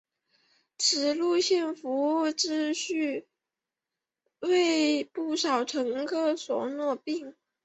此路线服务质素为不少乘客所诟病。